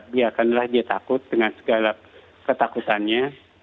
biarkanlah dia takut dengan segala ketakutannya